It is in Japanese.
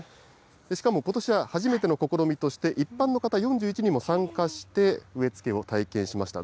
しかもことしは初めての試みとして、一般の方、４１人も参加して植え付けを体験しました。